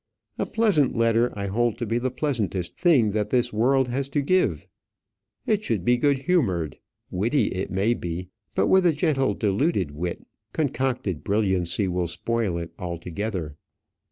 A pleasant letter I hold to be the pleasantest thing that this world has to give. It should be good humoured; witty it may be, but with a gentle diluted wit. Concocted brilliancy will spoil it altogether.